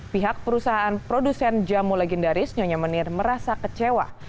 pihak perusahaan produsen jamu legendaris nyonya menir merasa kecewa